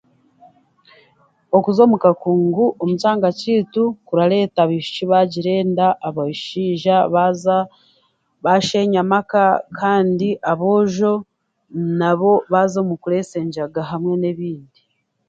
Okuza omu kakungu omu kyanga kyeitu kurareeta abaishiki bagira enda, abasheija bashenya amaka kandi aboojo nabo baaza omukureesa enjaga hamwe n'ebindi.